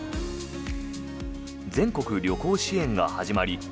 全国旅行支援が始まり